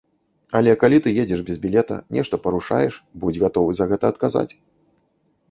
Але калі ты едзеш без білета, нешта парушаеш, будзь гатовы за гэта адказаць.